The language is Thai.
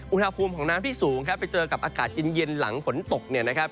อุณหภูมิของน้ำที่สูงครับไปเจอกับอากาศเย็นหลังฝนตกเนี่ยนะครับ